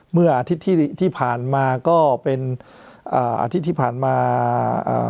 เมื่ออาทิตย์ที่ที่ผ่านมาก็เป็นอ่าอาทิตย์ที่ผ่านมาอ่า